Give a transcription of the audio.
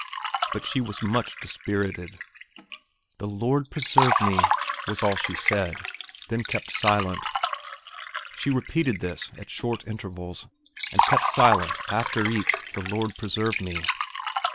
But she was much dispirited. "The Lord preserve me!" was all she said, then kept silent. She repeated this at short intervals, and kept silent after each "the Lord preserve me."